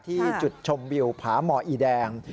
ที่จุดชมวิวผาหมออีแดง